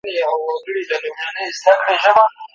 له ورک یوسفه تعبیرونه غوښتل